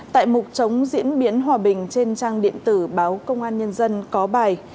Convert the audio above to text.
tại mục chống diễn biến hòa bình trên trang điện tử báo công an nhân dân có bài